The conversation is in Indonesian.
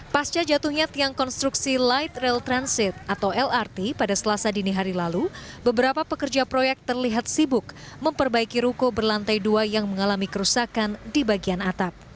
pasca jatuhnya tiang konstruksi light rail transit atau lrt pada selasa dini hari lalu beberapa pekerja proyek terlihat sibuk memperbaiki ruko berlantai dua yang mengalami kerusakan di bagian atap